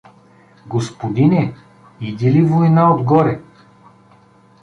— Господине, иде ли война отгоре?